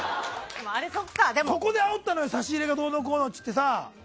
ここであおったのよ差し入れがどうのこうのってさ。